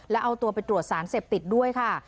แล้วเอาตัวไปตรวจสารเสพติดด้วยค่ะ